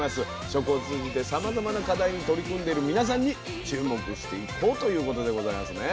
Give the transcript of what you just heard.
食を通じてさまざまな課題に取り組んでる皆さんに注目していこうということでございますね。